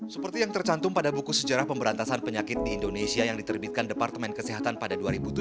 seperti yang tercantum pada buku sejarah pemberantasan penyakit di indonesia yang diterbitkan departemen kesehatan pada dua ribu tujuh belas